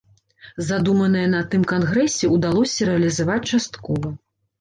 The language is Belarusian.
Задуманае на тым кангрэсе ўдалося рэалізаваць часткова.